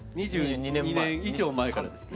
２２年以上前からです。